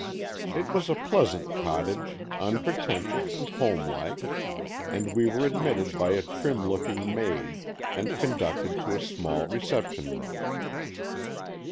It was a pleasant cottage, unpretentious and homelike, and we were admitted by a trim looking maid, and conducted to a small reception room.